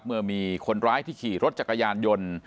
เมื่อมีคนร้ายที่ขี่รถจักรยานยนต์